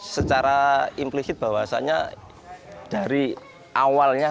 secara implisit bahwasannya dari awalnya